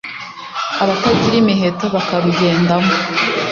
abatagira imiheto bakarugendamo.